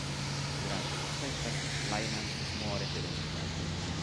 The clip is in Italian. Durante una festa, Lyman muore per un infarto.